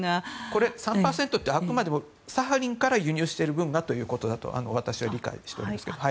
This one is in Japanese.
これ、３％ってあくまでもサハリンから輸入している分だと私は理解しておりますけれど。